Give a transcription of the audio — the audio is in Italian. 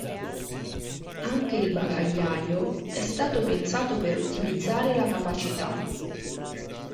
Anche il bagagliaio è stato pensato per ottimizzare la capacità.